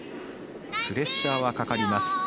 プレッシャーはかかります。